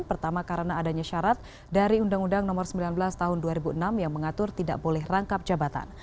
pertama karena adanya syarat dari undang undang nomor sembilan belas tahun dua ribu enam yang mengatur tidak boleh rangkap jabatan